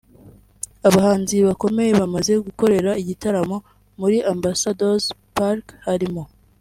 Abahanzi bakomeye bamaze gukorera igitaramo muri Ambassador's Park harimo